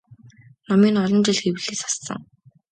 Номыг нь олон жил хэвлэлээс хассан.